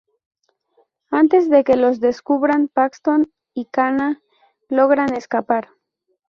Antes de que los descubran, Paxton y Kana logran escapar.